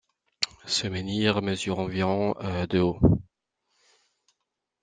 Ce menhir mesure environ de haut.